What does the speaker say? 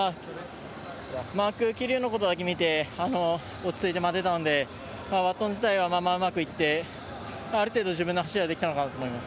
桐生のことだけ見て落ち着いて待てたのでバトン自体はうまくいってある程度自分の走りができたのかなと思います。